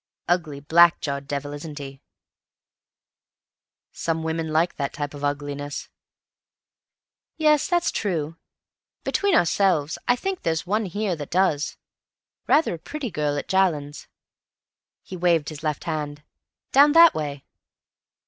Ugly, black jawed devil, isn't he?" "Some women like that type of ugliness." "Yes, that's true. Between ourselves, I think there's one here who does. Rather a pretty girl at Jallands"—he waved his left hand—"down that way."